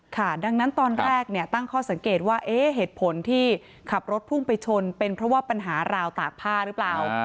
ค่ะดังนั้นตอนแรกตั้งข้อสังเกตว่าเหตุผลที่ขับรถพุ่งไปชนเป็นเพราะว่าปัญหาราวตากผ้าหรือเปล่า